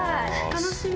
楽しみ！